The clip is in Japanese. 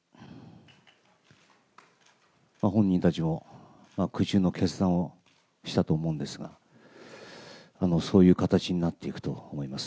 本人たちも苦渋の決断をしたと思うんですが、そういう形になっていくと思います。